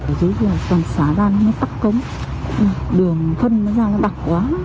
ở dưới này toàn xá ra nó tắt cống đường thân nó ra nó bạc quá